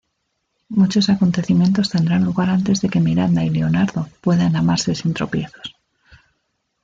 Muchos acontecimientos tendrán lugar antes de que Miranda y Leonardo puedan amarse sin tropiezos.